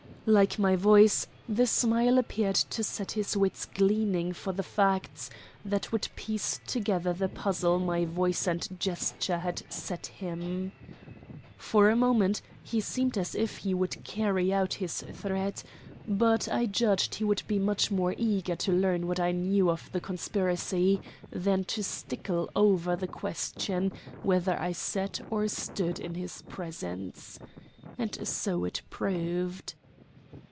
Like my voice, the smile appeared to set his wits gleaning for the facts that would piece together the puzzle my voice and gesture had set him. For a moment he seemed as if he would carry out his threat; but I judged he would be much more eager to learn what I knew of the conspiracy than to stickle over the question whether I sat or stood in his presence. And so it proved.